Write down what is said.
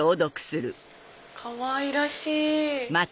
かわいらしい！